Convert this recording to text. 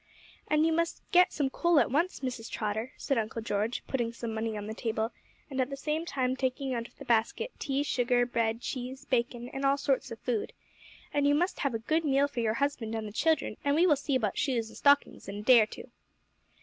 'And you must get some coal at once, Mrs. Trotter,' said Uncle George, putting some money on the table, and at the same time taking out of the basket tea, sugar, bread, cheese, bacon, and all sorts of food. 'And you must have a good meal for your husband and the children, and we will see about shoes and stockings in a day or two.